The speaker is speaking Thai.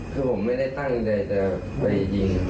คือผมไม่ได้ตั้งใจจะไปยิง